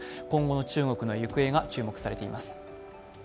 今後の中国の行方が注目されています。